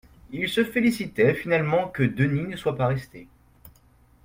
Ils se félicitaient, finalement, que Denis ne soit pas resté.